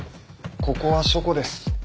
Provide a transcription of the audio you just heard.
ここは書庫です。